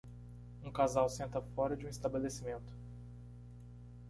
Um casal senta fora de um estabelecimento.